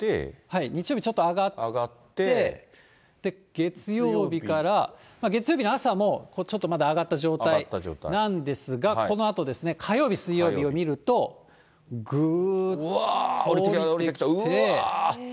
日曜日、ちょっと上がって、月曜日から、月曜日の朝もちょっとまだ上がった状態なんですが、このあとですね、火曜日、水曜日を見ると、ぐーっと下りてきて。